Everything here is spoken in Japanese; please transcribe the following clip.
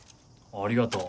ありがとう。